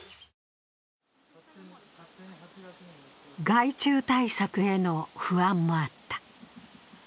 害虫対策への不安もあった。